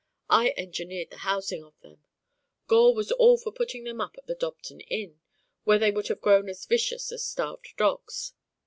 I engineered the housing of them. Gore was all for putting them up at the Dobton Inn, where they would have grown as vicious as starved dogs.